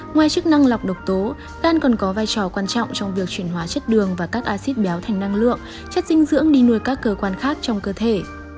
ngoài chức năng lọc độc tố đan còn có vai trò quan trọng trong việc chuyển hóa chất đường và các acid béo thành năng lượng chất dinh dưỡng đi nuôi các cơ quan khác trong cơ thể